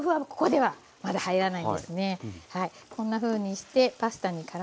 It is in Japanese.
はい。